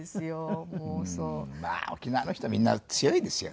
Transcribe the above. うんまあ沖縄の人みんな強いですよね。